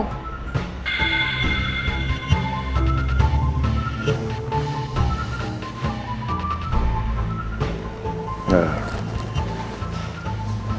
sampai jumpa di rumah saya